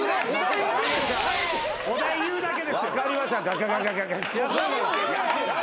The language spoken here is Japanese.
・お題言うだけですよ。